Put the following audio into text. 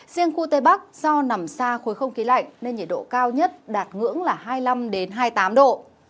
riêng khu tây bắc do nằm xa khối không khí lạnh nên nhiệt độ cao nhất đạt ngưỡng là hai mươi năm hai mươi tám độ